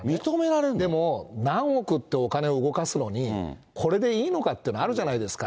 でも、何億っていうお金を動かすのに、これでいいのかってなるじゃないですか。